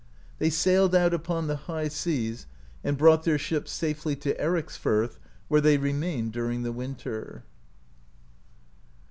They sailed out upon the high seas, and brought their ship safely to Ericsfirth, where they remained during the winter.